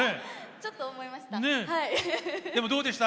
ちょっと思いました。